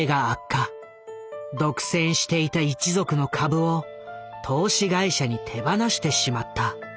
独占していた一族の株を投資会社に手放してしまった。